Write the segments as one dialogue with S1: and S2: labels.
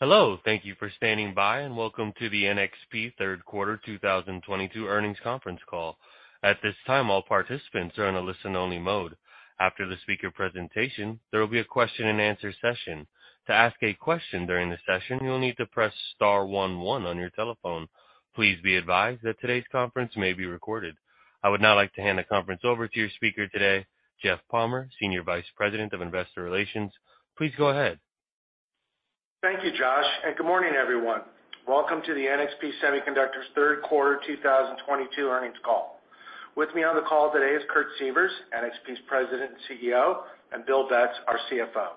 S1: Hello. Thank you for standing by, and welcome to the NXP Third Quarter 2022 Earnings Conference Call. At this time, all participants are in a listen-only mode. After the speaker presentation, there will be a question-and-answer session. To ask a question during the session, you'll need to press star one one on your telephone. Please be advised that today's conference may be recorded. I would now like to hand the conference over to your speaker today, Jeff Palmer, Senior Vice President of Investor Relations. Please go ahead.
S2: Thank you, Josh, and good morning, everyone. Welcome to the NXP Semiconductors Third Quarter 2022 Earnings Call. With me on the call today is Kurt Sievers, NXP's President and CEO, and Bill Betz, our CFO.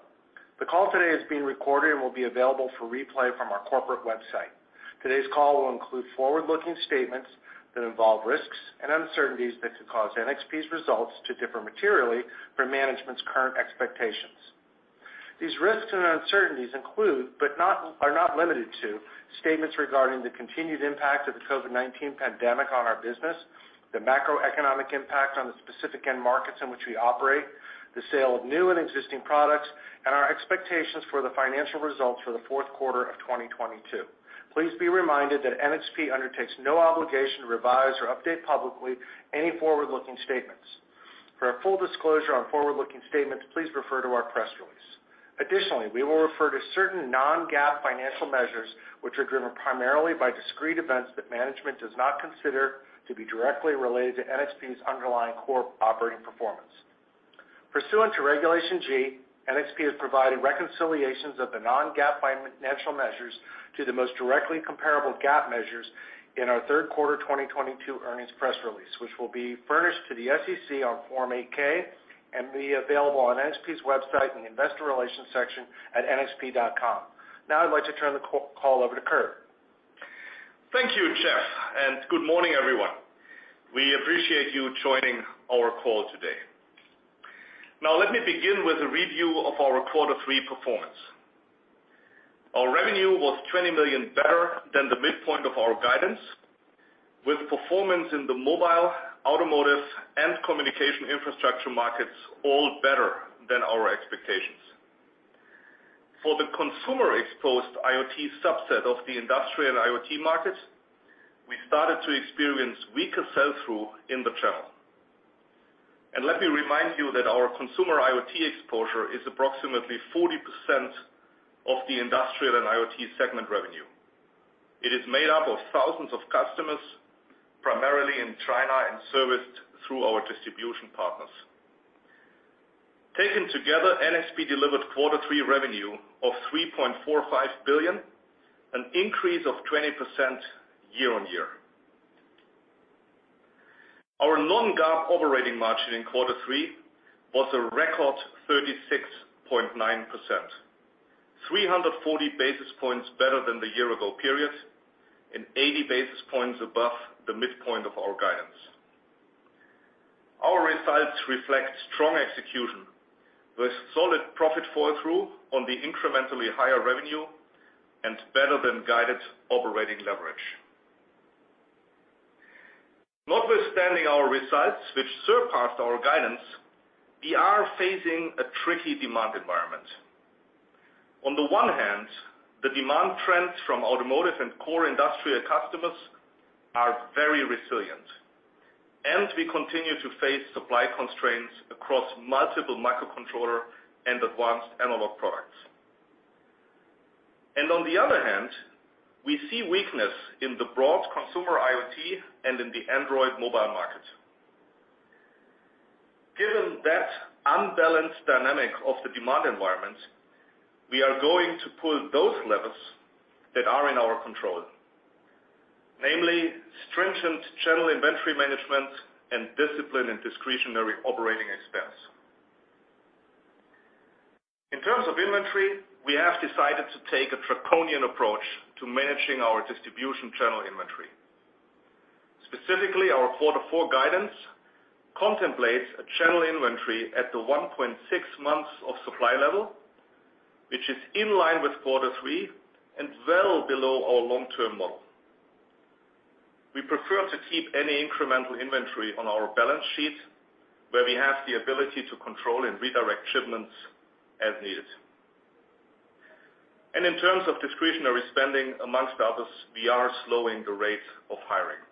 S2: The call today is being recorded and will be available for replay from our corporate website. Today's call will include forward-looking statements that involve risks and uncertainties that could cause NXP's results to differ materially from management's current expectations. These risks and uncertainties include, but are not limited to, statements regarding the continued impact of the COVID-19 pandemic on our business, the macroeconomic impact on the specific end markets in which we operate, the sale of new and existing products, and our expectations for the financial results for the fourth quarter of 2022. Please be reminded that NXP undertakes no obligation to revise or update publicly any forward-looking statements. For a full disclosure on forward-looking statements, please refer to our press release. Additionally, we will refer to certain non-GAAP financial measures which are driven primarily by discrete events that management does not consider to be directly related to NXP's underlying core operating performance. Pursuant to Regulation G, NXP is providing reconciliations of the non-GAAP financial measures to the most directly comparable GAAP measures in our third quarter 2022 earnings press release, which will be furnished to the SEC on Form 8-K and be available on NXP's website in the investor relations section at nxp.com. Now I'd like to turn the call over to Kurt.
S3: Thank you, Jeff, and good morning, everyone. We appreciate you joining our call today. Now, let me begin with a review of our quarter three performance. Our revenue was $20 million better than the midpoint of our guidance, with performance in the mobile, automotive, and communication infrastructure markets all better than our expectations. For the consumer-exposed IoT subset of the industrial IoT market, we started to experience weaker sell-through in the channel. Let me remind you that our consumer IoT exposure is approximately 40% of the industrial and IoT segment revenue. It is made up of thousands of customers, primarily in China, and serviced through our distribution partners. Taken together, NXP delivered quarter three revenue of $3.45 billion, an increase of 20% year-on-year. Our non-GAAP operating margin in quarter three was a record 36.9%, 340 basis points better than the year ago period and 80 basis points above the midpoint of our guidance. Our results reflect strong execution with solid profit fall-through on the incrementally higher revenue and better than guided operating leverage. Notwithstanding our results, which surpassed our guidance, we are facing a tricky demand environment. On the one hand, the demand trends from automotive and core industrial customers are very resilient, and we continue to face supply constraints across multiple microcontroller and advanced analog products. On the other hand, we see weakness in the broad consumer IoT and in the Android mobile market. Given that unbalanced dynamic of the demand environment, we are going to pull those levers that are in our control, namely stringent channel inventory management and discipline in discretionary operating expense. In terms of inventory, we have decided to take a draconian approach to managing our distribution channel inventory. Specifically, our quarter four guidance contemplates a channel inventory at the 1.6 months of supply level, which is in line with quarter three and well below our long-term model. We prefer to keep any incremental inventory on our balance sheet, where we have the ability to control and redirect shipments as needed. In terms of discretionary spending, among others, we are slowing the rate of hiring.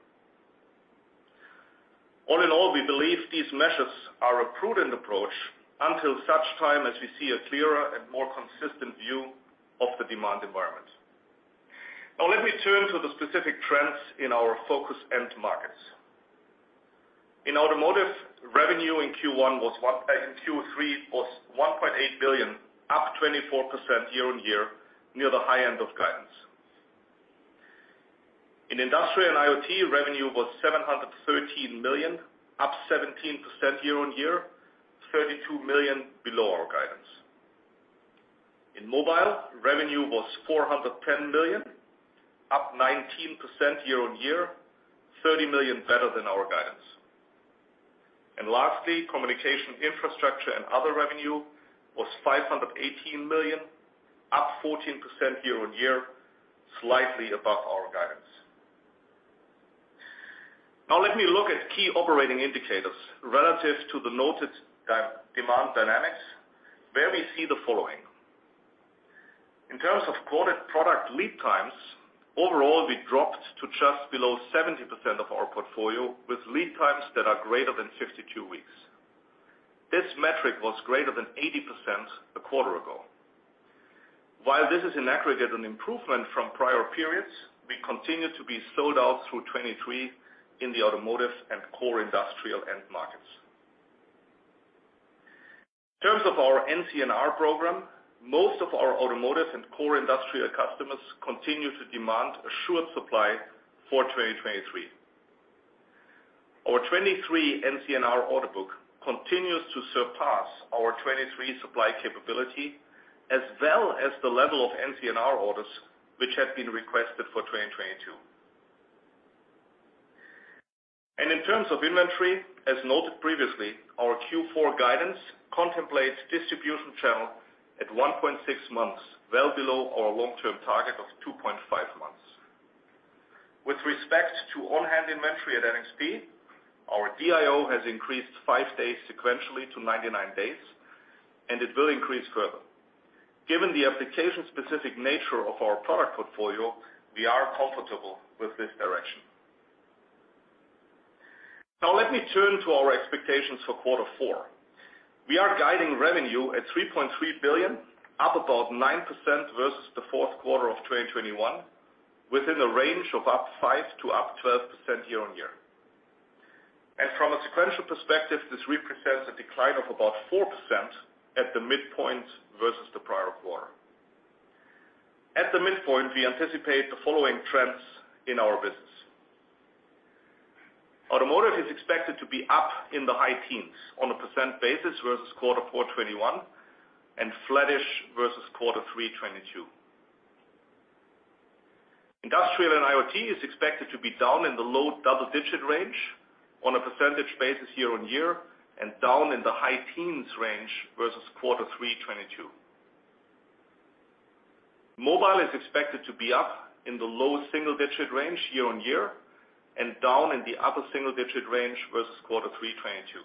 S3: All in all, we believe these measures are a prudent approach until such time as we see a clearer and more consistent view of the demand environment. Now let me turn to the specific trends in our focus end markets. In Q3 revenue was $1.8 billion, up 24% year-on-year, near the high end of guidance. In industrial and IoT, revenue was $713 million, up 17% year-on-year, $32 million below our guidance. In mobile, revenue was $410 million, up 19% year-on-year, $30 million better than our guidance. Lastly, communication infrastructure and other revenue was $518 million, up 14% year-on-year, slightly above our guidance. Now let me look at key operating indicators relative to the noted demand dynamics where we see the following. In terms of quoted product lead times, overall, we dropped to just below 70% of our portfolio with lead times that are greater than 52 weeks. This metric was greater than 80% a quarter ago. While this is an aggregate and improvement from prior periods, we continue to be sold out through 2023 in the automotive and core industrial end markets. In terms of our NCNR program, most of our automotive and core industrial customers continue to demand assured supply for 2023. Our 2023 NCNR order book continues to surpass our 2023 supply capability as well as the level of NCNR orders which have been requested for 2022. In terms of inventory, as noted previously, our Q4 guidance contemplates distribution channel at 1.6 months, well below our long-term target of 2.5 months. With respect to on-hand inventory at NXP, our DIO has increased five days sequentially to 99 days, and it will increase further. Given the application specific nature of our product portfolio, we are comfortable with this direction. Now let me turn to our expectations for quarter four. We are guiding revenue at $3.3 billion, up about 9% versus the fourth quarter of 2021, within a range of up 5%-12% year-on-year. From a sequential perspective, this represents a decline of about 4% at the midpoint versus the prior quarter. At the midpoint, we anticipate the following trends in our business. Automotive is expected to be up in the high teens on a % basis versus quarter four 2021 and flattish versus quarter three 2022. Industrial and IoT is expected to be down in the low double-digit range on a % basis year-on-year and down in the high teens range versus quarter three 2022. Mobile is expected to be up in the low single-digit range year-on-year and down in the upper single-digit range versus quarter three 2022.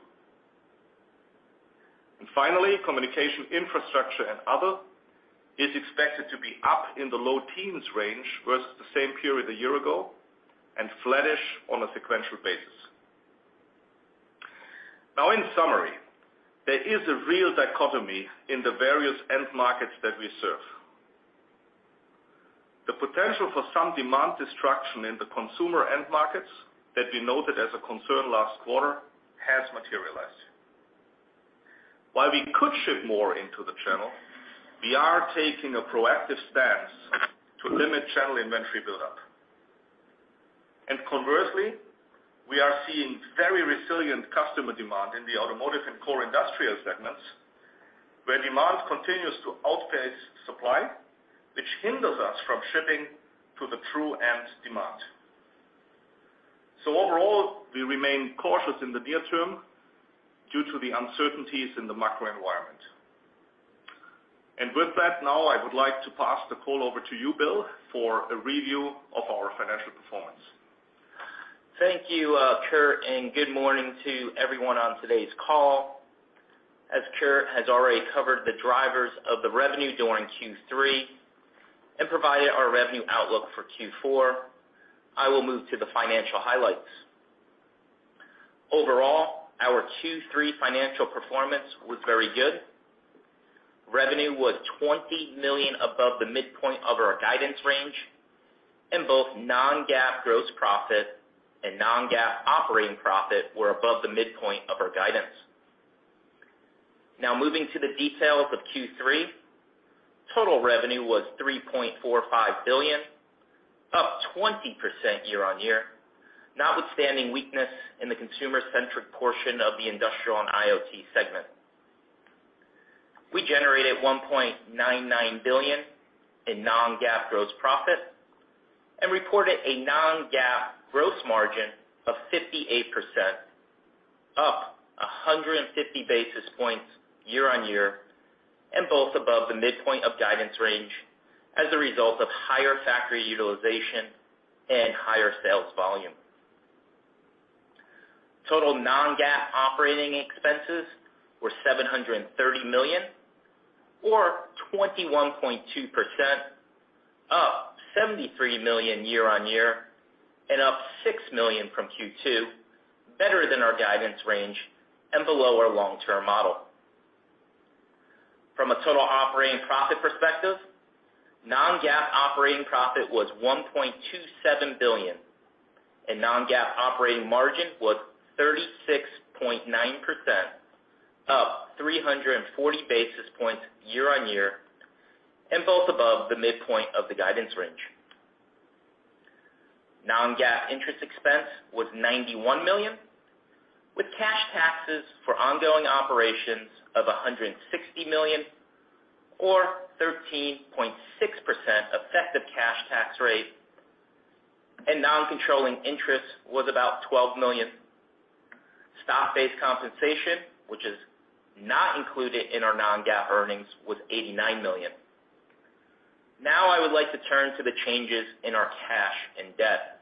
S3: Finally, communication infrastructure and other is expected to be up in the low teens range versus the same period a year ago and flattish on a sequential basis. Now in summary, there is a real dichotomy in the various end markets that we serve. The potential for some demand destruction in the consumer end markets that we noted as a concern last quarter has materialized. While we could ship more into the channel, we are taking a proactive stance to limit channel inventory buildup. Conversely, we are seeing very resilient customer demand in the automotive and core industrial segments, where demand continues to outpace supply, which hinders us from shipping to the true end demand. Overall, we remain cautious in the near term due to the uncertainties in the macro environment. With that, now I would like to pass the call over to you, Bill, for a review of our financial performance.
S4: Thank you, Kurt, and good morning to everyone on today's call. As Kurt has already covered the drivers of the revenue during Q3 and provided our revenue outlook for Q4, I will move to the financial highlights. Overall, our Q3 financial performance was very good. Revenue was $20 million above the midpoint of our guidance range, and both non-GAAP gross profit and non-GAAP operating profit were above the midpoint of our guidance. Now moving to the details of Q3, total revenue was $3.45 billion, up 20% year-on-year, notwithstanding weakness in the consumer-centric portion of the industrial and IoT segment. We generated $1.99 billion in non-GAAP gross profit and reported a non-GAAP gross margin of 58%, up 150 basis points year-on-year and both above the midpoint of guidance range as a result of higher factory utilization and higher sales volume. Total non-GAAP operating expenses were $730 million or 21.2%, up $73 million year-on-year and up $6 million from Q2, better than our guidance range and below our long-term model. From a total operating profit perspective, non-GAAP operating profit was $1.27 billion, and non-GAAP operating margin was 36.9%, up 340 basis points year-on-year and both above the midpoint of the guidance range. Non-GAAP interest expense was $91 million, with cash taxes for ongoing operations of $160 million or 13.6% effective cash tax rate, and non-controlling interest was about $12 million. Stock-based compensation, which is not included in our non-GAAP earnings, was $89 million. Now I would like to turn to the changes in our cash and debt.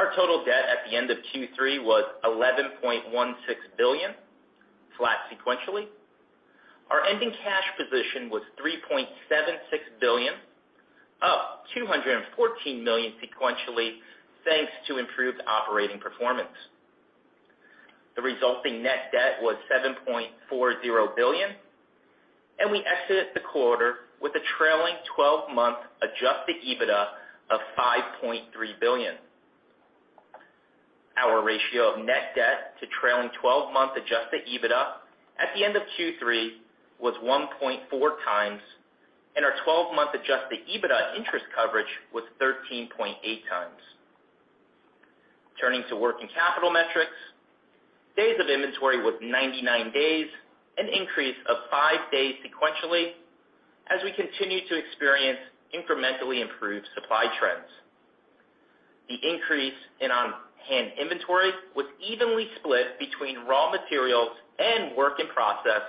S4: Our total debt at the end of Q3 was $11.16 billion, flat sequentially. Our ending cash position was $3.76 billion, up $214 million sequentially, thanks to improved operating performance. The resulting net debt was $7.40 billion, and we exited the quarter with a trailing twelve-month adjusted EBITDA of $5.3 billion. Our ratio of net debt to trailing twelve-month adjusted EBITDA at the end of Q3 was 1.4 times, and our twelve-month adjusted EBITDA interest coverage was 13.8 times. Turning to working capital metrics. Days of inventory was 99 days, an increase of five days sequentially as we continue to experience incrementally improved supply trends. The increase in on-hand inventory was evenly split between raw materials and work in process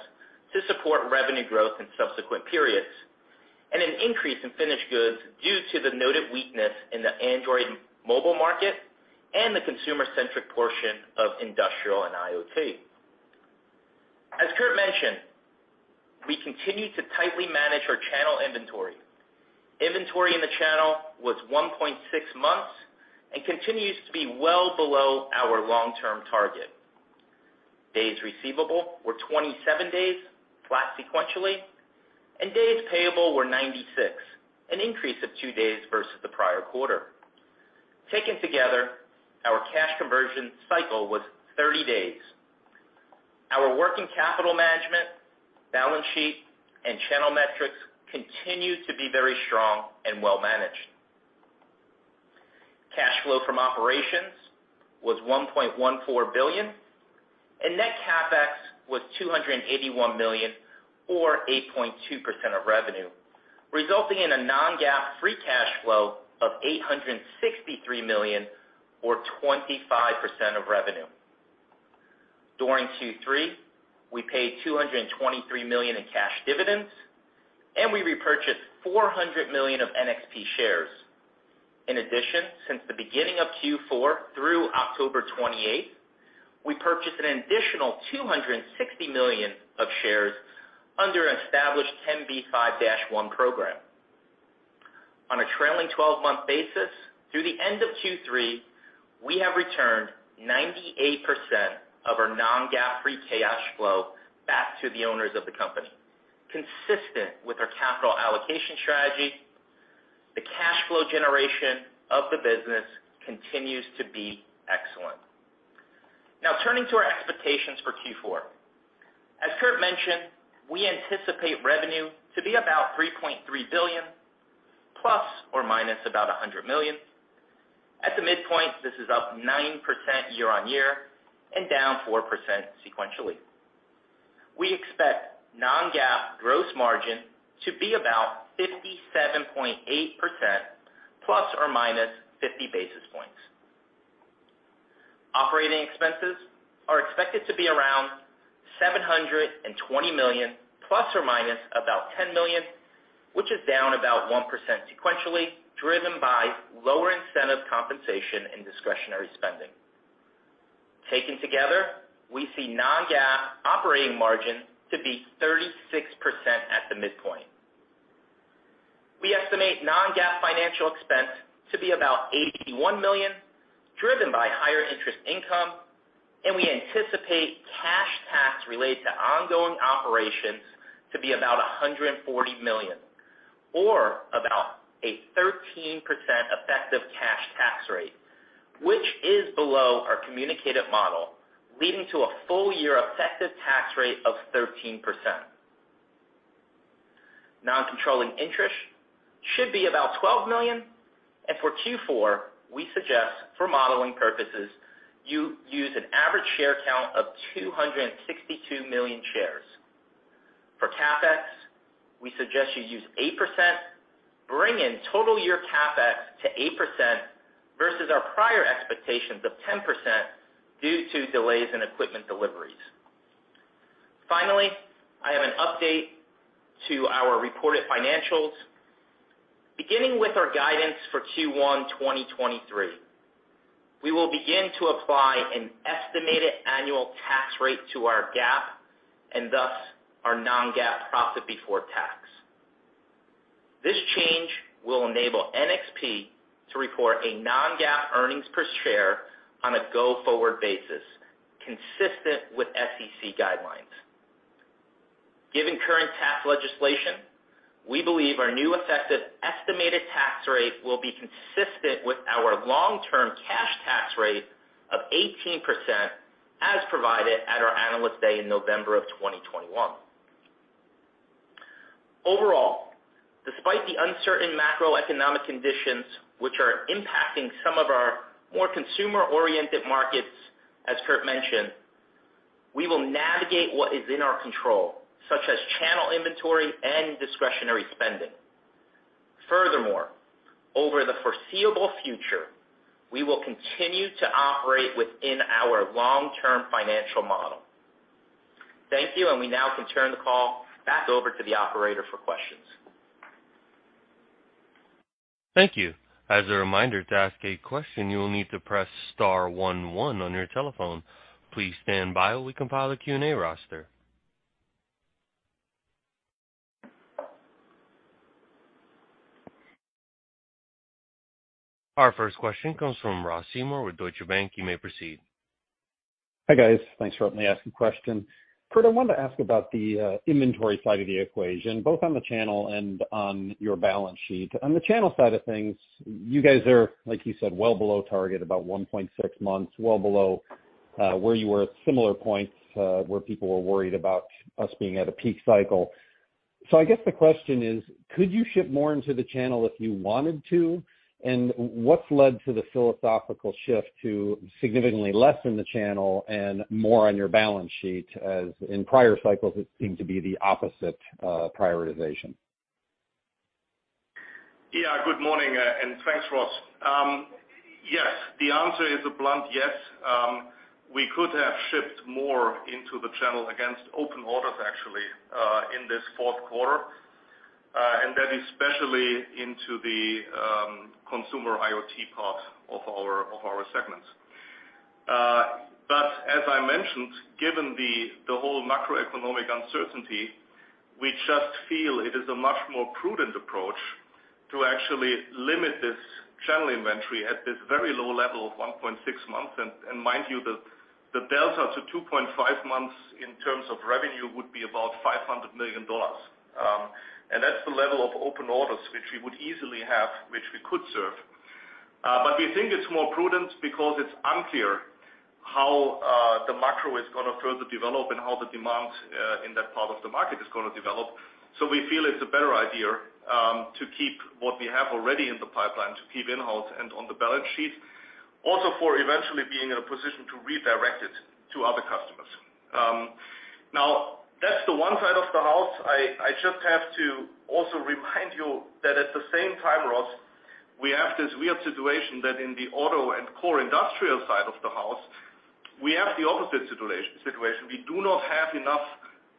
S4: to support revenue growth in subsequent periods, and an increase in finished goods due to the noted weakness in the Android mobile market and the consumer-centric portion of industrial and IoT. As Kurt mentioned, we continue to tightly manage our channel inventory. Inventory in the channel was 1.6 months and continues to be well below our long-term target. Days receivable were 27 days, flat sequentially, and days payable were 96, an increase of two days versus the prior quarter. Taken together, our cash conversion cycle was 30 days. Our working capital management, balance sheet, and channel metrics continue to be very strong and well managed. Cash flow from operations was $1.14 billion, and net CapEx was $281 million or 8.2% of revenue, resulting in a non-GAAP free cash flow of $863 million or 25% of revenue. During Q3, we paid $223 million in cash dividends and we repurchased $400 million of NXP shares. In addition, since the beginning of Q4 through October 28, we purchased an additional $260 million of shares under an established 10b5-1 program. On a trailing twelve-month basis through the end of Q3, we have returned 98% of our non-GAAP free cash flow back to the owners of the company. Consistent with our capital allocation strategy, the cash flow generation of the business continues to be excellent. Now turning to our expectations for Q4. As Kurt mentioned, we anticipate revenue to be about $3.3 billion ± $100 million. At the midpoint, this is up 9% year-on-year and down 4% sequentially. We expect non-GAAP gross margin to be about 57.8% ± 50 basis points. Operating expenses are expected to be around $720 million ± $10 million, which is down about 1% sequentially, driven by lower incentive compensation and discretionary spending. Taken together, we see non-GAAP operating margin to be 36% at the midpoint. We estimate non-GAAP financial expense to be about $81 million, driven by higher interest income, and we anticipate cash tax related to ongoing operations to be about $140 million or about a 13% effective cash tax rate, which is below our communicated model, leading to a full year effective tax rate of 13%. Non-controlling interest should be about $12 million. For Q4, we suggest for modeling purposes you use an average share count of 262 million shares. For CapEx, we suggest you use 8%, bringing total year CapEx to 8% versus our prior expectations of 10% due to delays in equipment deliveries. Finally, I have an update to our reported financials. Beginning with our guidance for Q1 2023. We will begin to apply an estimated annual tax rate to our GAAP and thus our non-GAAP profit before tax. This change will enable NXP to report a non-GAAP earnings per share on a go-forward basis, consistent with SEC guidelines. Given current tax legislation, we believe our new effective estimated tax rate will be consistent with our long-term cash tax rate of 18%, as provided at our Analyst Day in November of 2021. Overall, despite the uncertain macroeconomic conditions which are impacting some of our more consumer-oriented markets, as Kurt mentioned, we will navigate what is in our control, such as channel inventory and discretionary spending. Furthermore, over the foreseeable future, we will continue to operate within our long-term financial model. Thank you. We now can turn the call back over to the operator for questions.
S1: Thank you. As a reminder, to ask a question, you will need to press star one one on your telephone. Please stand by while we compile a Q&A roster. Our first question comes from Ross Seymore with Deutsche Bank. You may proceed.
S5: Hi, guys. Thanks for letting me ask a question. Kurt, I wanted to ask about the inventory side of the equation, both on the channel and on your balance sheet. On the channel side of things, you guys are, like you said, well below target, about 1.6 months, well below, where you were at similar points, where people were worried about us being at a peak cycle. I guess the question is: Could you ship more into the channel if you wanted to? What's led to the philosophical shift to significantly less in the channel and more on your balance sheet, as in prior cycles it seemed to be the opposite, prioritization?
S3: Yeah, good morning, thanks, Ross. Yes, the answer is a blunt yes. We could have shipped more into the channel against open orders actually in this fourth quarter, and that especially into the consumer IoT part of our segments. But as I mentioned, given the whole macroeconomic uncertainty, we just feel it is a much more prudent approach to actually limit this channel inventory at this very low level of 1.6 months. And mind you, the delta to 2.5 months in terms of revenue would be about $500 million. And that's the level of open orders which we would easily have, which we could serve. We think it's more prudent because it's unclear how the macro is gonna further develop and how the demand in that part of the market is gonna develop. We feel it's a better idea to keep what we have already in the pipeline, to keep in-house and on the balance sheet, also for eventually being in a position to redirect it to other customers. Now that's the one side of the house. I just have to also remind you that at the same time, Ross, we have this weird situation that in the auto and core industrial side of the house, we have the opposite situation. We do not have enough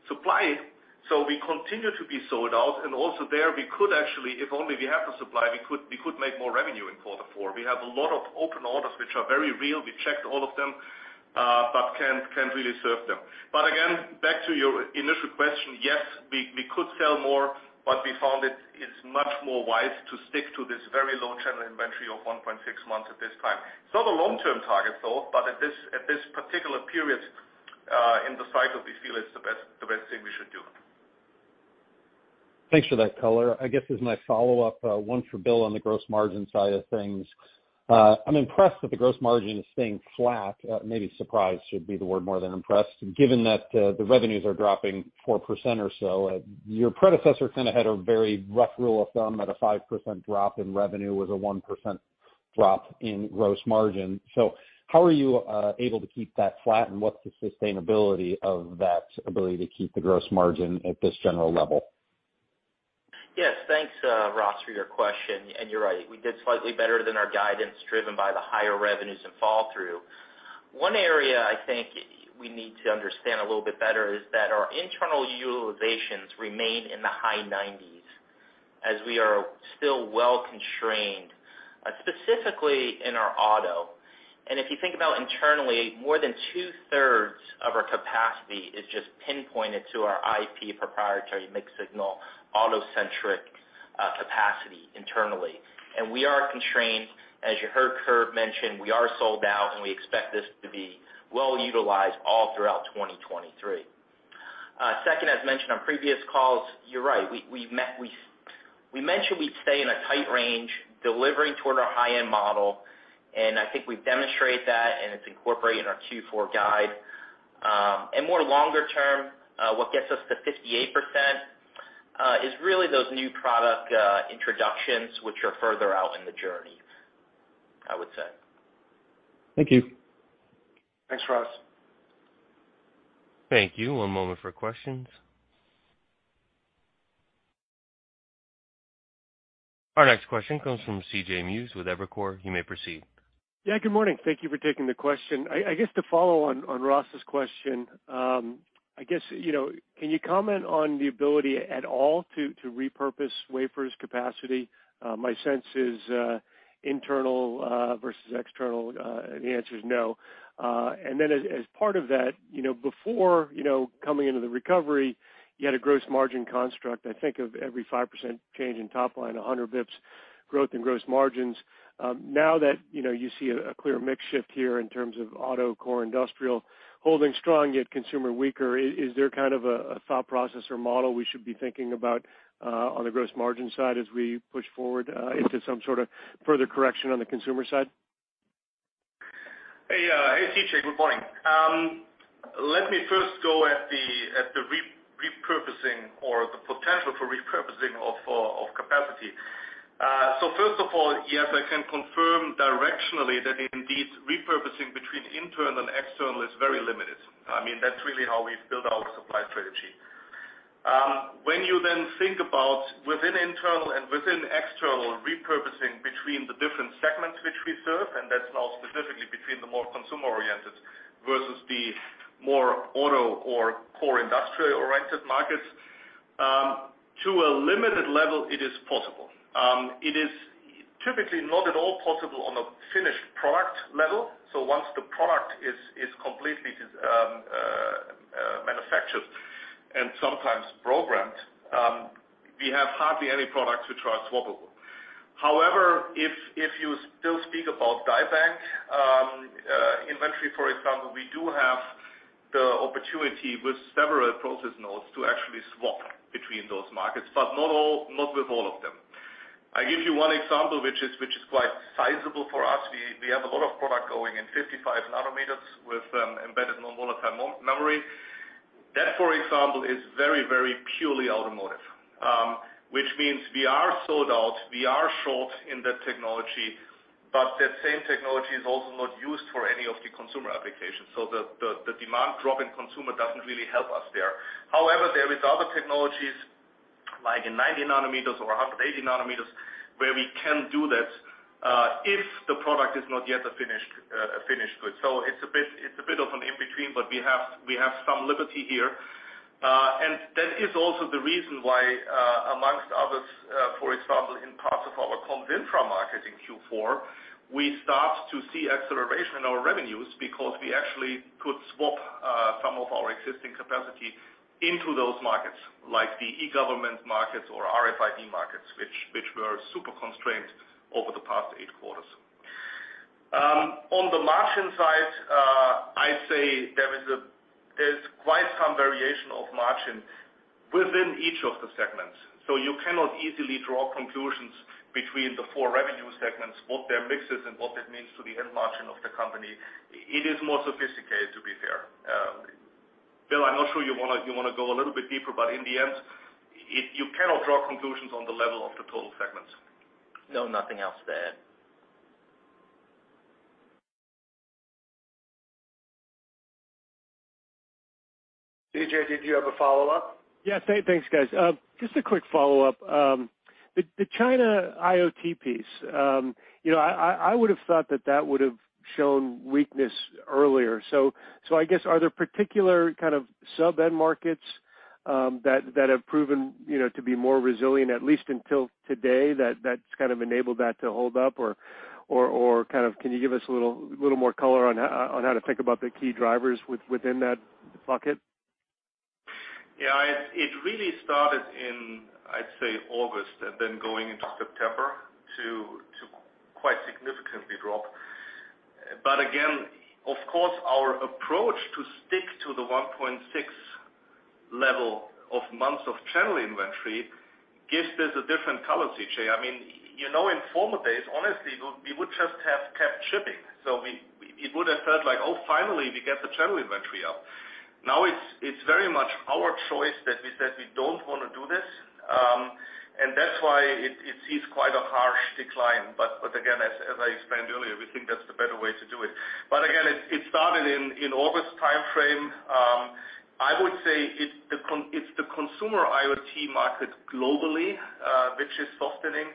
S3: supply, so we continue to be sold out. Also there we could actually, if only we have the supply, we could make more revenue in quarter four. We have a lot of open orders which are very real. We checked all of them, but can't really serve them. Again, back to your initial question, yes, we could sell more, but we found it is much more wise to stick to this very low channel inventory of 1.6 months at this time. It's not a long-term target though, but at this particular period, in the cycle, we feel it's the best thing we should do.
S5: Thanks for that color. I guess as my follow-up, one for Bill on the gross margin side of things. I'm impressed that the gross margin is staying flat. Maybe surprised should be the word more than impressed, given that, the revenues are dropping 4% or so. Your predecessor kind of had a very rough rule of thumb that a 5% drop in revenue was a 1% drop in gross margin. How are you able to keep that flat, and what's the sustainability of that ability to keep the gross margin at this general level?
S4: Yes, thanks, Ross, for your question. You're right, we did slightly better than our guidance, driven by the higher revenues in flow-through. One area I think we need to understand a little bit better is that our internal utilizations remain in the high 90s%, as we are still well constrained, specifically in our auto. If you think about internally, more than two-thirds of our capacity is just pinpointed to our IP proprietary mixed-signal, auto-centric capacity internally. We are constrained. As you heard Kurt mention, we are sold out, and we expect this to be well utilized all throughout 2023. Second, as mentioned on previous calls, you're right. We mentioned we'd stay in a tight range, delivering toward our high-end model, and I think we've demonstrated that and it's incorporated in our Q4 guide. More longer term, what gets us to 58% is really those new product introductions which are further out in the journey, I would say.
S5: Thank you.
S3: Thanks, Ross.
S1: Thank you. One moment for questions. Our next question comes from CJ Muse with Evercore. You may proceed.
S6: Yeah, good morning. Thank you for taking the question. I guess to follow on Ross's question, you know, can you comment on the ability at all to repurpose wafers capacity? My sense is internal versus external, the answer is no. As part of that, you know, before coming into the recovery, you had a gross margin construct, I think of every 5% change in top line, 100 BPS growth in gross margins. Now that you know you see a clear mix shift here in terms of auto, core, industrial, holding strong yet consumer weaker, is there kind of a thought process or model we should be thinking about on the gross margin side as we push forward into some sort of further correction on the consumer side?
S3: Hey, hey, CJ, good morning. Let me first go at the repurposing or the potential for repurposing of capacity. First of all, yes, I can confirm directionally that indeed repurposing between internal and external is very limited. I mean, that's really how we've built our supply strategy. When you then think about within internal and within external repurposing between the different segments which we serve, and that's now specifically between the more consumer-oriented versus the more auto or core industrial-oriented markets, to a limited level, it is possible. It is typically not at all possible on a finished product level. Once the product is completely manufactured and sometimes programmed, we have hardly any products which are swappable. However, if you still speak about die bank inventory, for example, we do have the opportunity with several process nodes to actually swap between those markets, but not with all of them. I give you one example which is quite sizable for us. We have a lot of product going in 55 nanometers with embedded non-volatile memory. That, for example, is very purely automotive, which means we are sold out, we are short in that technology, but that same technology is also not used for any of the consumer applications. The demand drop in consumer doesn't really help us there. However, there is other technologies like in 90 nanometers or 180 nanometers where we can do that, if the product is not yet a finished good. It's a bit of an in-between, but we have some liberty here. That is also the reason why, among others, for example, in parts of our comm infra markets in Q4, we start to see acceleration in our revenues because we actually could swap some of our existing capacity into those markets, like the e-government markets or RFID markets, which were super constrained over the past eight quarters. On the margin side, I'd say there's quite some variation of margin within each of the segments. You cannot easily draw conclusions between the four revenue segments, what their mix is and what that means to the end margin of the company. It is more sophisticated, to be fair. Bill, I'm not sure you wanna go a little bit deeper, but in the end, you cannot draw conclusions on the level of the total segments.
S4: No, nothing else to add.
S3: CJ, did you have a follow-up?
S6: Yes. Thanks, guys. Just a quick follow-up. The China IoT piece, you know, I would've thought that that would've shown weakness earlier. I guess are there particular kind of sub-end markets that have proven, you know, to be more resilient, at least until today, that's kind of enabled that to hold up? Kind of can you give us a little more color on how to think about the key drivers within that bucket?
S3: Yeah. It really started in, I'd say, August and then going into September to quite significantly drop. Again, of course, our approach to stick to the 1.6 level of months of channel inventory gives this a different color, CJ. I mean, you know in former days, honestly, we would just have kept shipping. It would have felt like, "Oh, finally, we get the channel inventory up." Now it's very much our choice that we said we don't wanna do this. And that's why it sees quite a harsh decline. Again, as I explained earlier, we think that's the better way to do it. Again, it started in August timeframe. I would say it's the consumer IoT market globally, which is softening.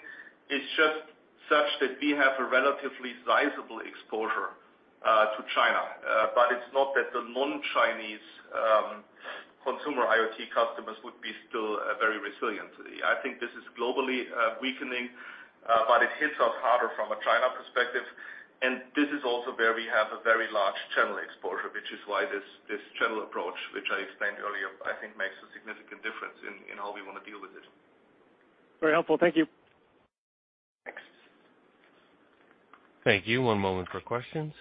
S3: It's just such that we have a relatively sizable exposure to China. But it's not that the non-Chinese consumer IoT customers would be still very resilient. I think this is globally weakening, but it hits us harder from a China perspective. This is also where we have a very large channel exposure, which is why this channel approach, which I explained earlier, I think makes a significant difference in how we wanna deal with it.
S6: Very helpful. Thank you.
S3: Thanks.
S1: Thank you. One moment for questions.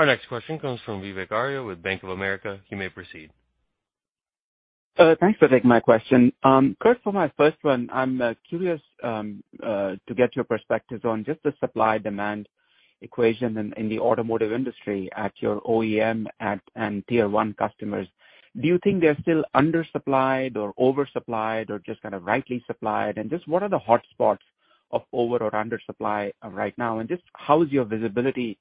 S1: Our next question comes from Vivek Arya with Bank of America. You may proceed.
S7: Thanks for taking my question. Kurt, for my first one, I'm curious to get your perspectives on just the supply-demand equation in the automotive industry at your OEM and tier one customers. Do you think they're still undersupplied or oversupplied or just kinda rightly supplied? And just what are the hotspots of over or undersupply right now? And just how is your visibility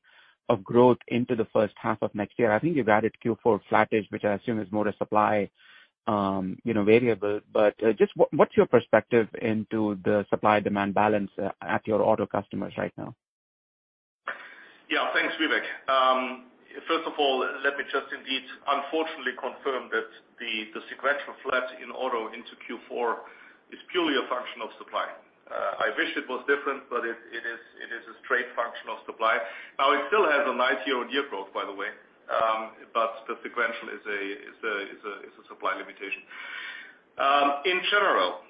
S7: of growth into the first half of next year? I think you've added Q4 flattish, which I assume is more a supply you know variable. Just what's your perspective into the supply-demand balance at your auto customers right now?
S3: Yeah. Thanks, Vivek. First of all, let me just indeed unfortunately confirm that the sequential flat in auto into Q4 is purely a function of supply. I wish it was different, but it is a straight function of supply. Now, it still has a nice year-on-year growth, by the way, but the sequential is a supply limitation. In general,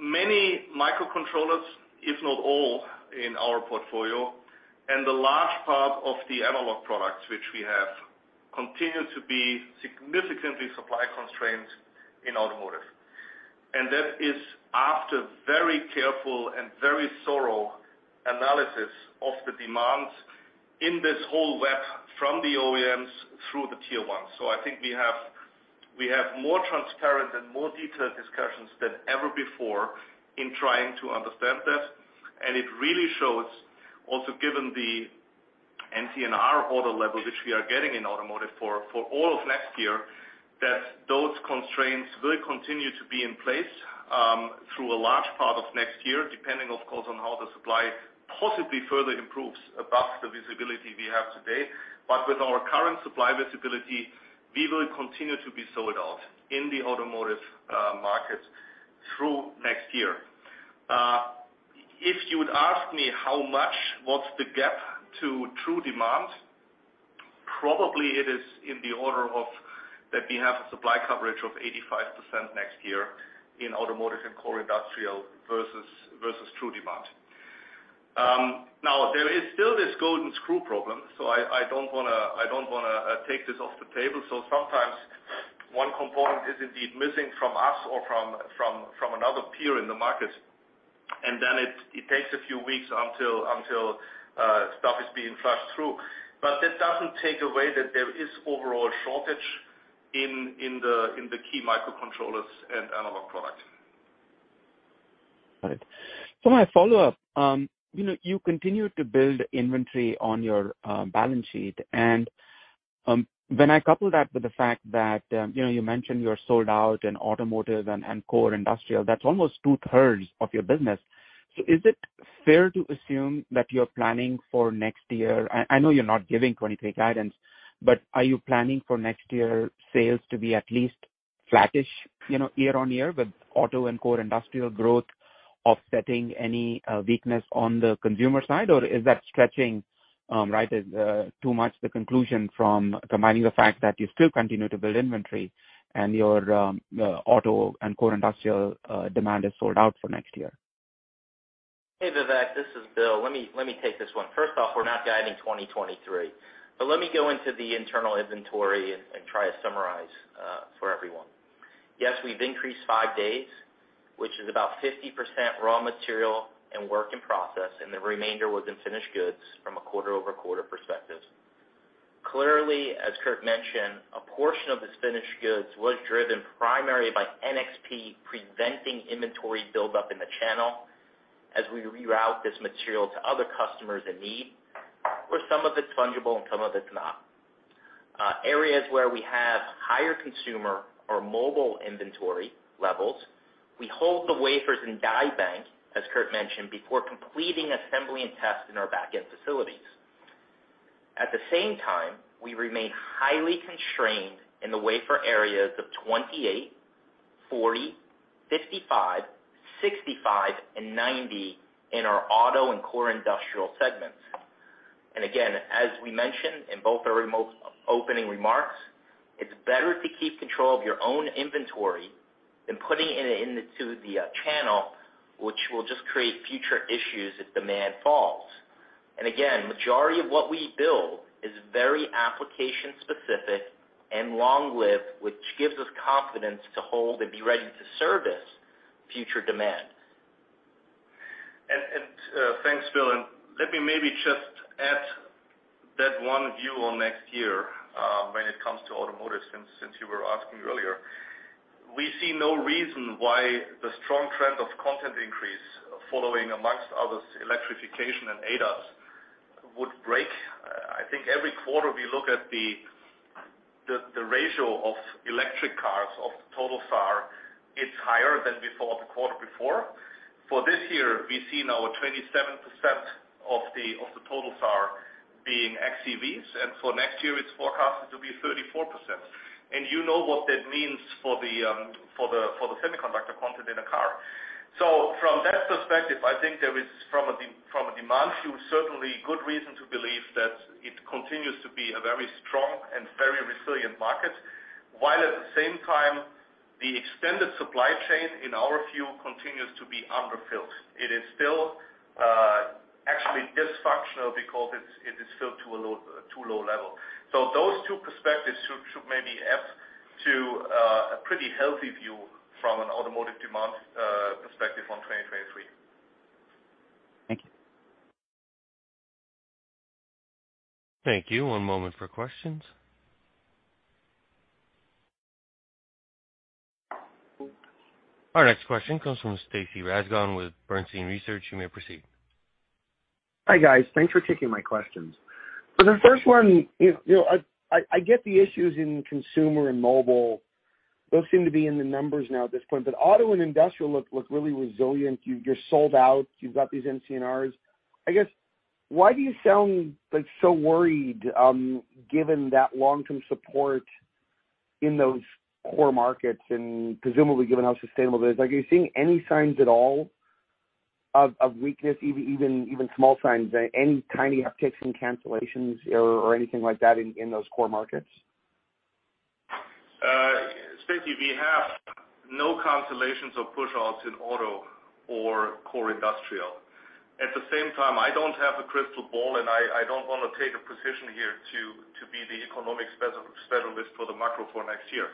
S3: many microcontrollers, if not all in our portfolio, and the large part of the analog products which we have continue to be significantly supply constrained in automotive. That is after very careful and very thorough analysis of the demands in this whole web from the OEMs through the tier ones. I think we have more transparent and more detailed discussions than ever before in trying to understand that. It really shows also given the NCNR order level, which we are getting in automotive for all of next year, that those constraints will continue to be in place through a large part of next year, depending, of course, on how the supply possibly further improves above the visibility we have today. But with our current supply visibility, we will continue to be sold out in the automotive market through next year. If you would ask me how much, what's the gap to true demand, probably it is in the order of that we have a supply coverage of 85% next year in automotive and core industrial versus true demand. Now, there is still this golden screw problem, so I don't wanna take this off the table. Sometimes one component is indeed missing from us or from another peer in the market, and then it takes a few weeks until stuff is being flushed through. That doesn't take away that there is overall shortage in the key microcontrollers and analog product.
S7: Right. For my follow-up, you know, you continue to build inventory on your balance sheet. When I couple that with the fact that, you know, you mentioned you're sold out in automotive and core industrial, that's almost two-thirds of your business. Is it fair to assume that you're planning for next year? I know you're not giving 2023 guidance. Are you planning for next year sales to be at least flattish, you know, year-on-year with auto and core industrial growth offsetting any weakness on the consumer side? Is that stretching right too much the conclusion from combining the fact that you still continue to build inventory and your auto and core industrial demand is sold out for next year?
S4: Hey, Vivek, this is Bill. Let me take this one. First off, we're not guiding 2023. Let me go into the internal inventory and try to summarize for everyone. Yes, we've increased five days, which is about 50% raw material and work in process, and the remainder was in finished goods from a quarter-over-quarter perspective. Clearly, as Kurt mentioned, a portion of this finished goods was driven primarily by NXP preventing inventory buildup in the channel as we reroute this material to other customers in need, where some of it's fungible and some of it's not. Areas where we have higher consumer or mobile inventory levels, we hold the wafers in die bank, as Kurt mentioned, before completing assembly and test in our backend facilities. At the same time, we remain highly constrained in the wafer areas of 28, 40, 55, 65, and 90 in our auto and core industrial segments. Again, as we mentioned in both our recent opening remarks, it's better to keep control of your own inventory than putting it into the channel, which will just create future issues if demand falls. Again, majority of what we build is very application specific and long-lived, which gives us confidence to hold and be ready to service future demand.
S3: Thanks, Bill. Let me maybe just add that one view on next year, when it comes to automotive since you were asking earlier. We see no reason why the strong trend of content increase following, amongst others, electrification and ADAS would break. I think every quarter we look at the ratio of electric cars of the total SAR, it's higher than before the quarter before. For this year, we've seen our 27% of the total SAR being xEVs, and for next year it's forecasted to be 34%. You know what that means for the semiconductor content in a car. From that perspective, I think there is from a demand view, certainly good reason to believe that it continues to be a very strong and very resilient market, while at the same time the extended supply chain in our view continues to be underfilled. It is still actually dysfunctional because it is still too low a level. Those two perspectives should maybe add to a pretty healthy view from an automotive demand perspective on 2023.
S7: Thank you.
S1: Thank you. One moment for questions. Our next question comes from Stacy Rasgon with Bernstein Research. You may proceed.
S8: Hi, guys. Thanks for taking my questions. For the first one, you know, I get the issues in consumer and mobile. Those seem to be in the numbers now at this point. Auto and industrial look really resilient. You're sold out. You've got these NCNRs. I guess, why do you sound, like, so worried, given that long-term support in those core markets and presumably given how sustainable it is? Like, are you seeing any signs at all of weakness, even small signs, any tiny upticks in cancellations or anything like that in those core markets?
S3: Stacy, we have no cancellations or pushouts in auto or core industrial. At the same time, I don't have a crystal ball, and I don't wanna take a position here to be the economic specialist for the macro for next year.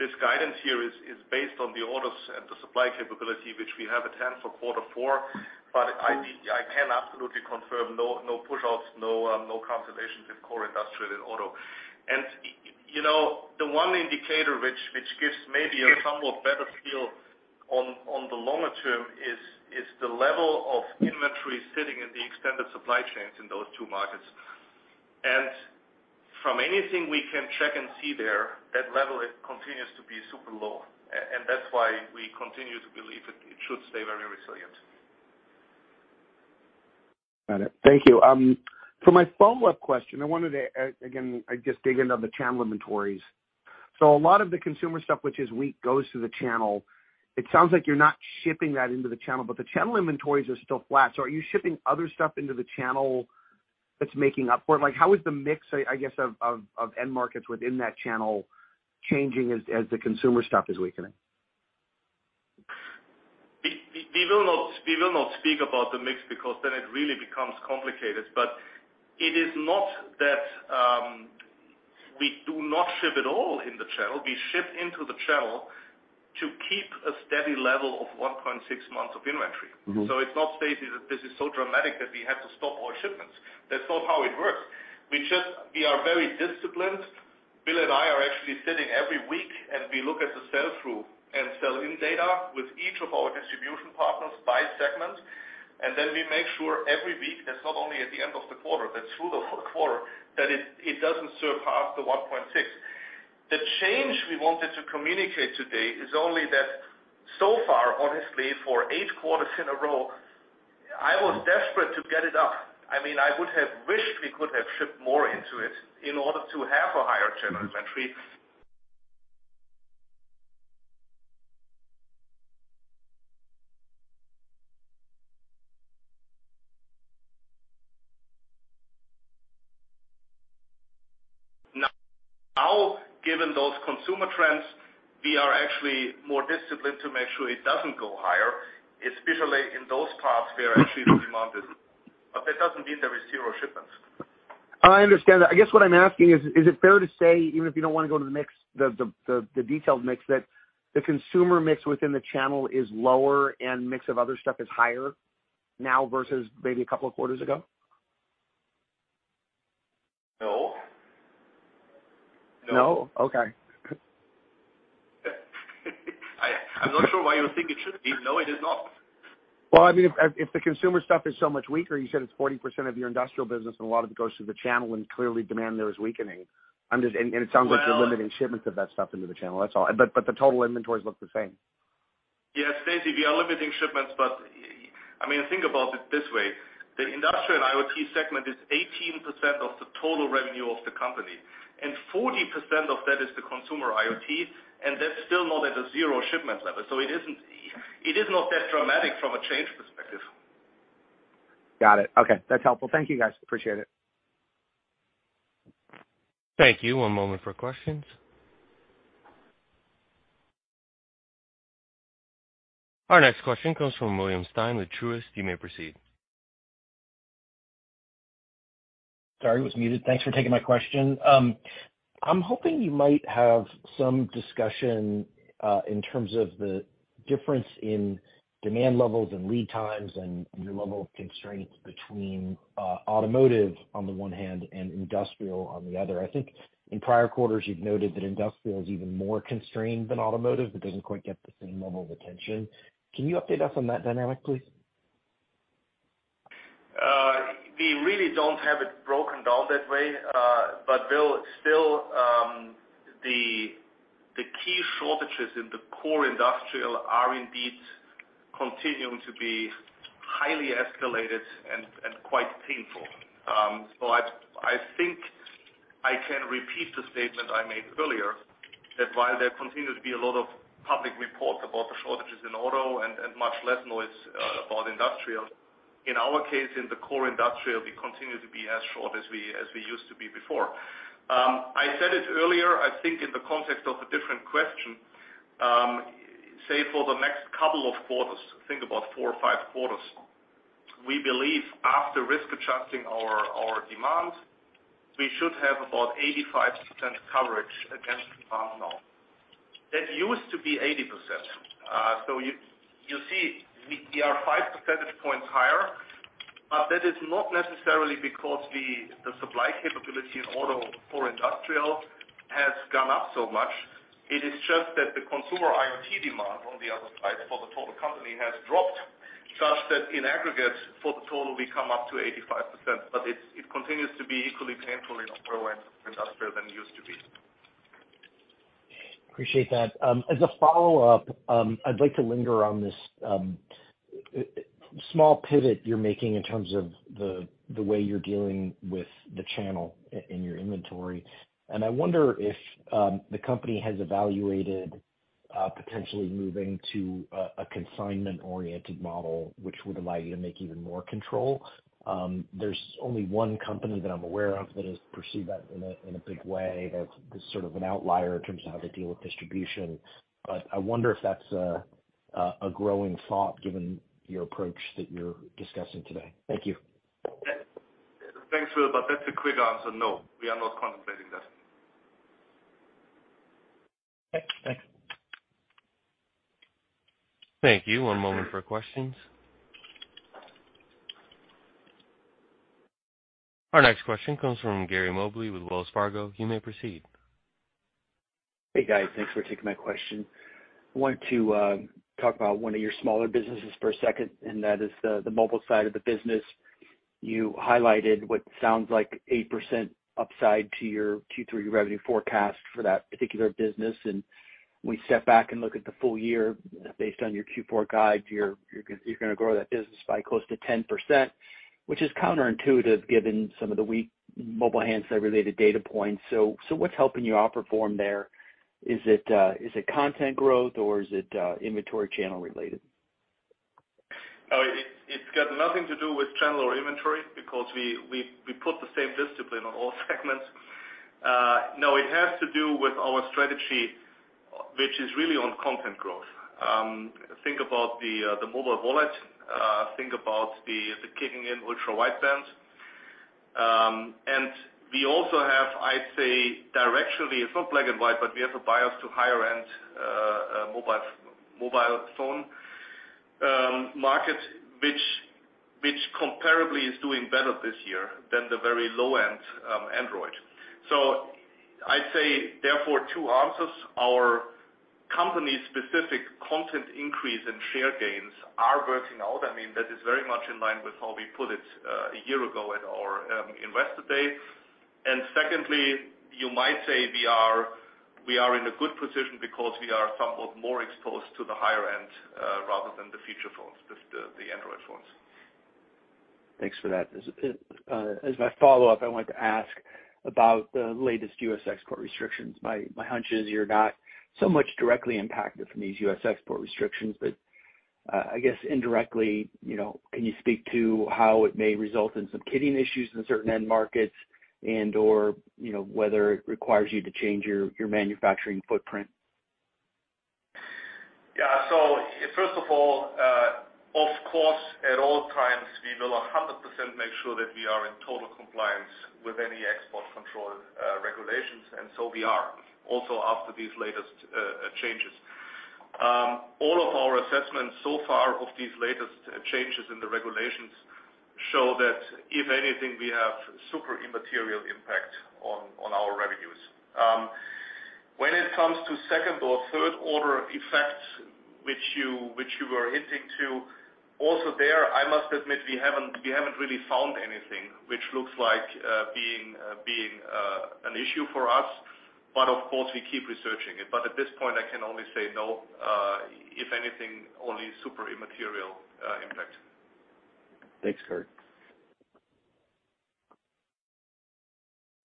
S3: This guidance here is based on the orders and the supply capability which we have at hand for quarter four. I can absolutely confirm no pushouts, no cancellations with core industrial and auto. You know, the one indicator which gives maybe a somewhat better feel on the longer term is the level of inventory sitting in the extended supply chains in those two markets. From anything we can check and see there, that level continues to be super low. That's why we continue to believe it should stay very resilient.
S8: Got it. Thank you. For my follow-up question, I wanted to again just dig into the channel inventories. A lot of the consumer stuff which is weak goes to the channel. It sounds like you're not shipping that into the channel, but the channel inventories are still flat. Are you shipping other stuff into the channel that's making up for it? Like, how is the mix, I guess, of end markets within that channel changing as the consumer stuff is weakening?
S3: We will not speak about the mix because then it really becomes complicated. It is not that we do not ship at all in the channel. We ship into the channel to keep a steady level of 1.6 months of inventory.
S8: Mm-hmm.
S3: It's not, Stacy, that this is so dramatic that we have to stop all shipments. That's not how it works. We just are very disciplined. Bill and I are actually sitting every week, and we look at the sell-through and sell-in data with each of our distribution partners by segment. We make sure every week, that's not only at the end of the quarter, that's through the whole quarter, that it doesn't surpass the 1.6. The change we wanted to communicate today is only that so far, honestly, for eight quarters in a row, I was desperate to get it up. I mean, I would have wished we could have shipped more into it in order to have a higher channel inventory. Now given those consumer trends, we are actually more disciplined to make sure it doesn't go higher, especially in those parts where actually the demand is. That doesn't mean there is zero shipments.
S8: I understand that. I guess what I'm asking is it fair to say, even if you don't wanna go to the mix, the detailed mix, that the consumer mix within the channel is lower and mix of other stuff is higher now versus maybe a couple of quarters ago?
S3: No.
S8: No? Okay.
S3: I'm not sure why you think it should be. No, it is not.
S8: Well, I mean, if the consumer stuff is so much weaker, you said it's 40% of your industrial business and a lot of it goes through the channel and clearly demand there is weakening. It sounds like
S3: Well-
S8: You're limiting shipments of that stuff into the channel. That's all. The total inventories look the same.
S3: Yes, Stacy, we are limiting shipments, but, I mean, think about it this way. The industrial IoT segment is 18% of the total revenue of the company, and 40% of that is the consumer IoT, and that's still not at a zero shipment level. It isn't. It is not that dramatic from a change perspective.
S8: Got it. Okay. That's helpful. Thank you, guys. Appreciate it.
S1: Thank you. One moment for questions. Our next question comes from William Stein with Truist. You may proceed.
S9: Sorry, was muted. Thanks for taking my question. I'm hoping you might have some discussion in terms of the difference in demand levels and lead times and your level of constraints between automotive on the one hand and industrial on the other. I think in prior quarters you've noted that industrial is even more constrained than automotive. It doesn't quite get the same level of attention. Can you update us on that dynamic, please?
S3: We really don't have it broken down that way, but Bill, still, the key shortages in the core industrial are indeed continuing to be highly escalated and quite painful. I think I can repeat the statement I made earlier that while there continue to be a lot of public reports about the shortages in auto and much less noise about industrial, in our case, in the core industrial, we continue to be as short as we used to be before. I said it earlier, I think in the context of a different question. Say for the next couple of quarters, think about 4 or 5 quarters, we believe after risk adjusting our demand, we should have about 85% coverage against demand now. That used to be 80%. You see, we are 5 percentage points higher, but that is not necessarily because the supply capability in auto or industrial has gone up so much. It is just that the consumer IoT demand on the other side for the total company has dropped, such that in aggregate for the total we come up to 85%. It continues to be equally painful in auto and industrial than it used to be.
S9: Appreciate that. As a follow-up, I'd like to linger on this small pivot you're making in terms of the way you're dealing with the channel and your inventory. I wonder if the company has evaluated potentially moving to a consignment-oriented model which would allow you to make even more control. There's only one company that I'm aware of that has pursued that in a big way, that's sort of an outlier in terms of how they deal with distribution. I wonder if that's a growing thought given your approach that you're discussing today. Thank you.
S3: Thanks, Will, but that's a quick answer, no, we are not contemplating that.
S1: Thank you. One moment for questions. Our next question comes from Gary Mobley with Wells Fargo. You may proceed.
S10: Hey, guys. Thanks for taking my question. I want to talk about one of your smaller businesses for a second, and that is the mobile side of the business. You highlighted what sounds like 8% upside to your Q3 revenue forecast for that particular business. When we step back and look at the full year, based on your Q4 guide, you're gonna grow that business by close to 10%, which is counterintuitive given some of the weak mobile handset-related data points. What's helping you outperform there? Is it content growth, or is it inventory channel related?
S3: No, it's got nothing to do with channel or inventory because we put the same discipline on all segments. No, it has to do with our strategy, which is really on content growth. Think about the mobile wallet, think about the kicking in ultra-wideband. We also have, I'd say, directionally, it's not black and white, but we have a bias to higher-end mobile phone market, which comparably is doing better this year than the very low end Android. I'd say therefore two answers. Our company's specific content increase and share gains are working out. I mean, that is very much in line with how we put it a year ago at our investor day. Secondly, you might say we are in a good position because we are somewhat more exposed to the higher end, rather than the feature phones, the Android phones.
S10: Thanks for that. As my follow-up, I wanted to ask about the latest U.S. export restrictions. My hunch is you're not so much directly impacted from these U.S. export restrictions. I guess indirectly, you know, can you speak to how it may result in some kitting issues in certain end markets and/or, you know, whether it requires you to change your manufacturing footprint?
S3: Yeah. First of all, of course, at all times, we will 100% make sure that we are in total compliance with any export control regulations, and so we are, also after these latest changes. All of our assessments so far of these latest changes in the regulations show that, if anything, we have super immaterial impact on our revenues. When it comes to second or third order effects, which you were hinting to, also there, I must admit, we haven't really found anything which looks like being an issue for us. Of course, we keep researching it. At this point, I can only say no. If anything, only super immaterial impact.
S10: Thanks, Kurt.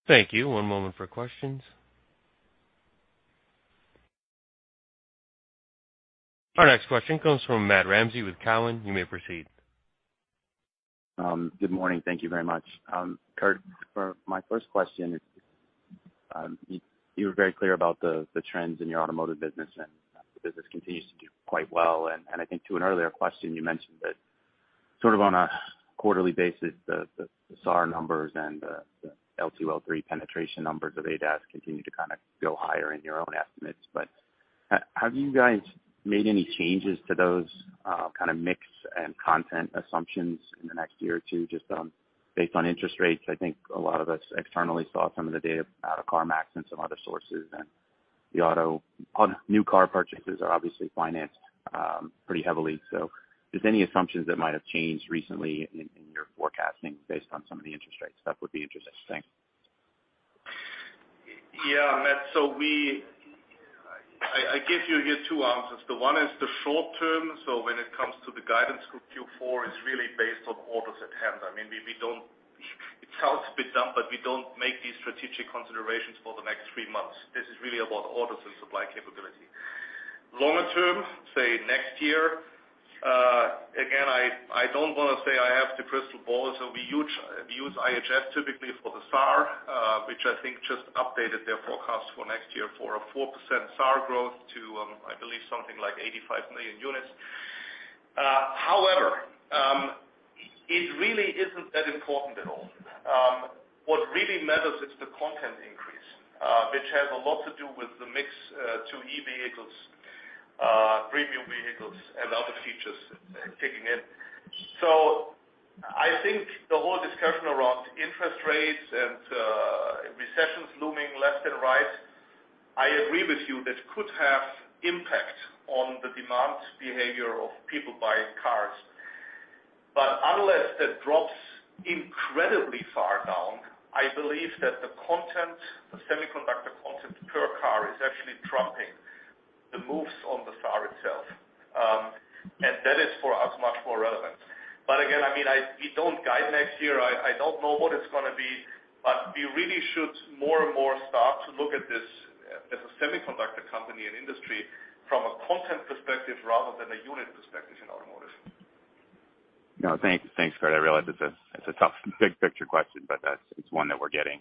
S1: Thank you. One moment for questions. Our next question comes from Matt Ramsay with Cowen. You may proceed.
S11: Good morning. Thank you very much. Kurt, for my first question, you were very clear about the trends in your automotive business, and the business continues to do quite well. I think to an earlier question, you mentioned that sort of on a quarterly basis, the SAR numbers and the L2, L3 penetration numbers of ADAS continue to kinda go higher in your own estimates. Have you guys made any changes to those kinda mix and content assumptions in the next year or two, just based on interest rates? I think a lot of us externally saw some of the data out of CarMax and some other sources, and the auto new car purchases are obviously financed pretty heavily. If there's any assumptions that might have changed recently in your forecasting based on some of the interest rate stuff would be interesting? Thanks.
S3: Yeah, Matt. I give you here two answers. The one is the short term. When it comes to the guidance for Q4, it's really based on orders at hand. I mean, we don't. It sounds a bit dumb, but we don't make these strategic considerations for the next three months. This is really about orders and supply capability. Longer term, say next year, again, I don't wanna say I have the crystal ball. We use IHS typically for the SAR, which I think just updated their forecast for next year for a 4% SAR growth to, I believe, something like 85 million units. However, it really isn't that important at all. What really matters is the content increase, which has a lot to do with the mix to xEVs, premium vehicles, and other features kicking in. I think the whole discussion around interest rates and recessions looming left and right, I agree with you, that could have impact on the demand behavior of people buying cars. Unless that drops incredibly far down, I believe that the content, the semiconductor content per car is actually trumping the moves on the SAR itself. That is for us much more relevant. Again, I mean, we don't guide next year. I don't know what it's gonna be, but we really should more and more start to look at this as a semiconductor company and industry from a content perspective rather than a unit perspective in automotive.
S11: No, thanks, Kurt. I realize it's a tough big picture question, but that's one that we're getting.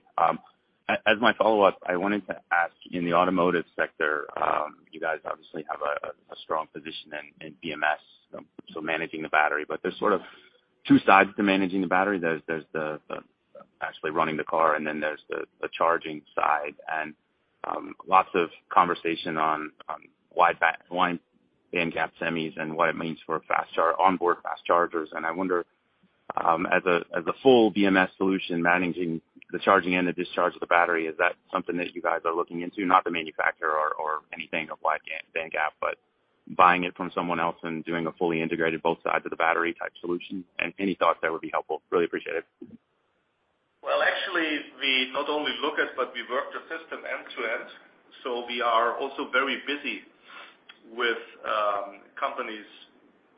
S11: As my follow-up, I wanted to ask, in the automotive sector, you guys obviously have a strong position in BMS, so managing the battery. But there's sort of two sides to managing the battery. There's the actually running the car, and then there's the charging side. Lots of conversation on wide bandgap semis and what it means for onboard fast chargers. I wonder, as a full BMS solution, managing the charging and the discharge of the battery, is that something that you guys are looking into? Not the manufacturer or anything of wide bandgap, but buying it from someone else and doing a fully integrated both sides of the battery type solution? Any thoughts there would be helpful. Really appreciate it.
S3: Well, actually, we not only look at, but we work the system end to end. We are also very busy with companies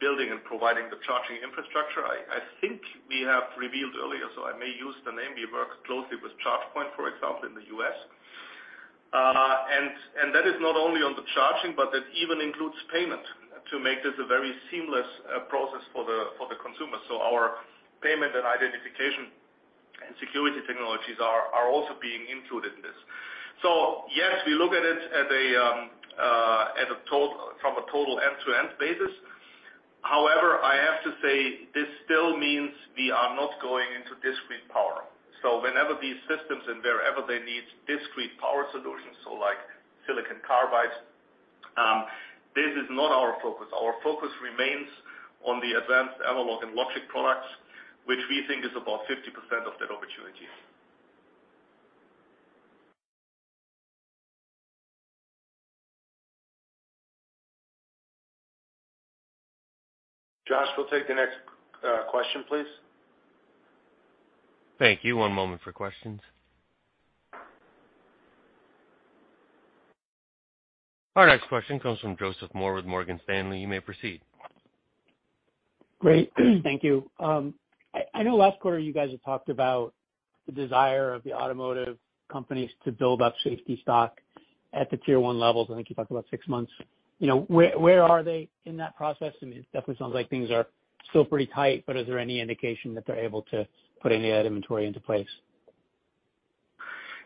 S3: building and providing the charging infrastructure. I think we have revealed earlier, so I may use the name. We work closely with ChargePoint, for example, in the U.S. And that is not only on the charging, but that even includes payment to make this a very seamless process for the consumer. Our payment and identification and security technologies are also being included in this. Yes, we look at it as a total end-to-end basis. However, I have to say this still means we are not going into discrete power. Whenever these systems and wherever they need discrete power solutions, so like silicon carbide, this is not our focus. Our focus remains on the advanced analog and logic products, which we think is about 50% of that opportunity.
S1: Josh, we'll take the next question, please. Thank you. One moment for questions. Our next question comes from Joseph Moore with Morgan Stanley. You may proceed.
S12: Great. Thank you. I know last quarter you guys had talked about the desire of the automotive companies to build up safety stock at the tier one levels. I think you talked about six months. You know, where are they in that process? I mean, it definitely sounds like things are still pretty tight, but is there any indication that they're able to put any of that inventory into place?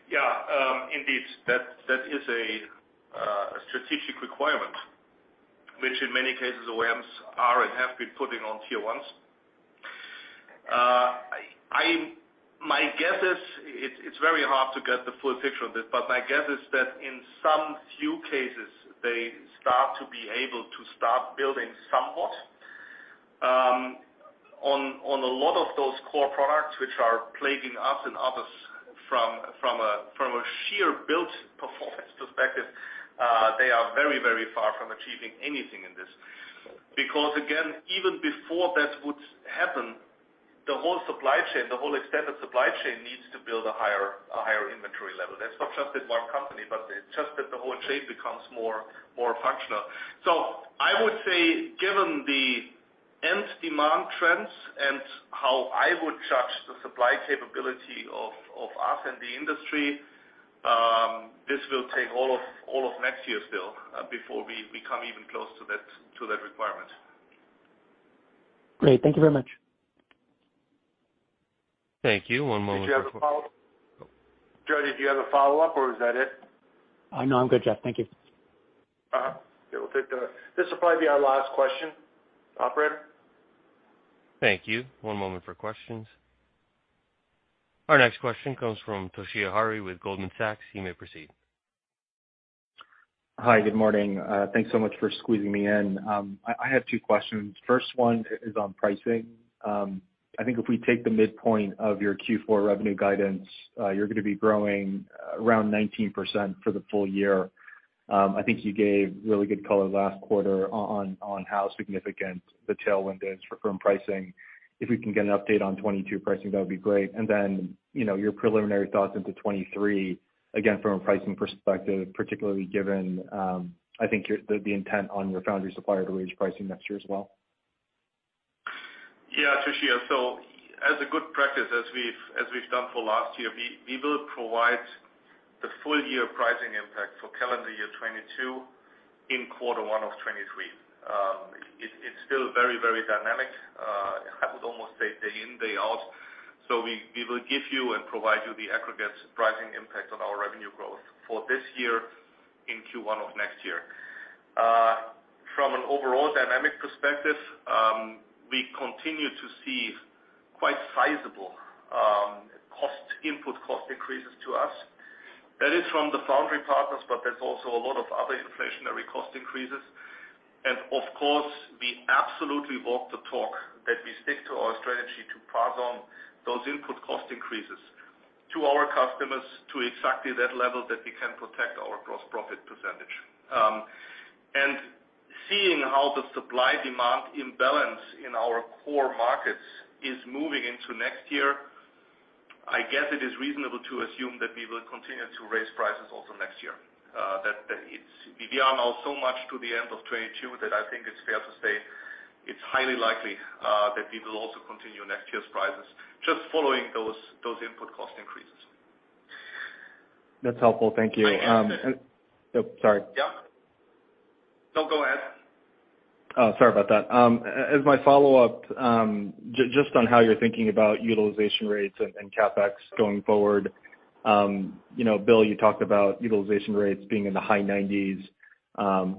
S3: Yeah, indeed, that is a strategic requirement, which in many cases, OEMs are and have been putting on tier ones. My guess is it's very hard to get the full picture of this. But my guess is that in some few cases, they start to be able to start building somewhat. On a lot of those core products which are plaguing us and others from a sheer build performance perspective, they are very far from achieving anything in this. Because again, even before that would happen, the whole supply chain, the whole extended supply chain needs to build a higher inventory level. That's not just at one company, but it's just that the whole chain becomes more functional. I would say, given the end demand trends and how I would judge the supply capability of us and the industry, this will take all of next year still before we become even close to that requirement.
S12: Great. Thank you very much.
S1: Thank you. One moment.
S13: Did you have a follow-up? Joe, did you have a follow-up, or is that it?
S12: No, I'm good, Jeff. Thank you.
S3: We'll take. This will probably be our last question. Operator?
S1: Thank you. One moment for questions. Our next question comes from Toshiya Hari with Goldman Sachs. You may proceed.
S14: Hi, good morning. Thanks so much for squeezing me in. I have two questions. First one is on pricing. I think if we take the midpoint of your Q4 revenue guidance, you're gonna be growing around 19% for the full year. I think you gave really good color last quarter on how significant the tailwind is for firm pricing. If we can get an update on 2022 pricing, that would be great. You know, your preliminary thoughts into 2023, again, from a pricing perspective, particularly given I think the intent on your foundry supplier to raise pricing next year as well.
S3: Yeah, Toshiya. As a good practice, as we've done for last year, we will provide the full year pricing impact for calendar year 2022 in quarter one of 2023. It's still very, very dynamic, I would almost say day in, day out. We will give you and provide you the aggregate pricing impact on our revenue growth for this year in Q1 of next year. From an overall dynamic perspective, we continue to see quite sizable input cost increases to us. That is from the foundry partners, but there's also a lot of other inflationary cost increases. Of course, we absolutely walk the talk, that we stick to our strategy to pass on those input cost increases to our customers to exactly that level that we can protect our gross profit percentage. Seeing how the supply-demand imbalance in our core markets is moving into next year, I guess it is reasonable to assume that we will continue to raise prices also next year. We are now so close to the end of 2022 that I think it's fair to say it's highly likely that we will also continue next year's prices, just following those input cost increases.
S14: That's helpful. Thank you.
S3: I am-
S14: Oh, sorry.
S3: Yeah. No, go ahead.
S14: Oh, sorry about that. As my follow-up, just on how you're thinking about utilization rates and CapEx going forward. You know, Bill, you talked about utilization rates being in the high 90s%.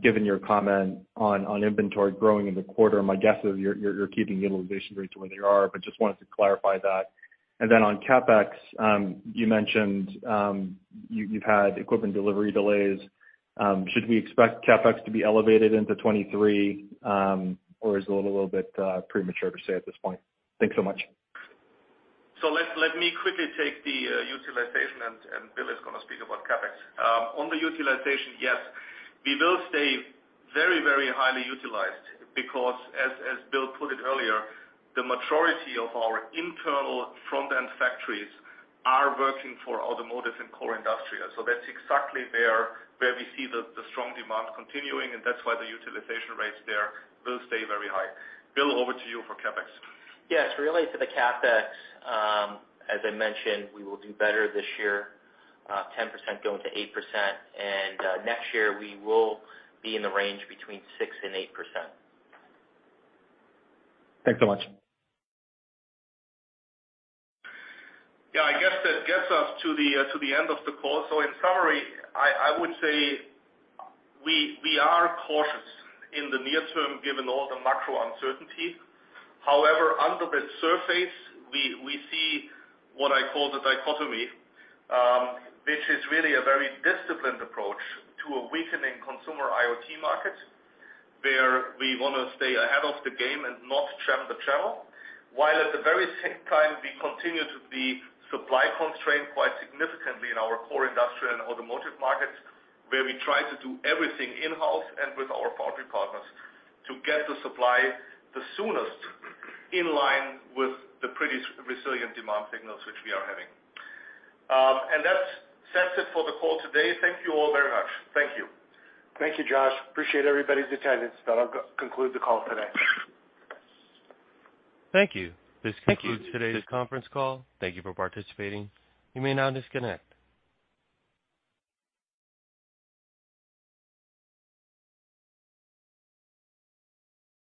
S14: Given your comment on inventory growing in the quarter, my guess is you're keeping utilization rates where they are, but just wanted to clarify that. Then on CapEx, you mentioned you've had equipment delivery delays. Should we expect CapEx to be elevated into 2023, or is it a little bit premature to say at this point? Thanks so much.
S3: Let me quickly take the utilization and Bill is gonna speak about CapEx. On the utilization, yes, we will stay very highly utilized because as Bill put it earlier, the majority of our internal front-end factories are working for automotive and core industrial. That's exactly where we see the strong demand continuing, and that's why the utilization rates there will stay very high. Bill, over to you for CapEx.
S4: Yes. Related to the CapEx, as I mentioned, we will do better this year, 10% going to 8%. Next year we will be in the range between 6% and 8%.
S14: Thanks so much.
S3: Yeah, I guess that gets us to the end of the call. In summary, I would say we are cautious in the near term, given all the macro uncertainty. However, under the surface, we see what I call the dichotomy, which is really a very disciplined approach to a weakening consumer IoT market, where we wanna stay ahead of the game and not trim the channel. While at the very same time, we continue to be supply constrained quite significantly in our core industrial and automotive markets, where we try to do everything in-house and with our foundry partners to get the supply the soonest in line with the pretty strong resilient demand signals which we are having. That's it for the call today. Thank you all very much. Thank you. Thank you, Josh. Appreciate everybody's attendance. That'll conclude the call today.
S1: Thank you. This concludes today's conference call. Thank you for participating. You may now disconnect.